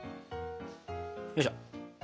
よいしょ！